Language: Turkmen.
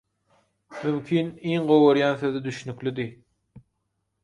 mümkin iň gowy görýän sözi «düşnüklidi».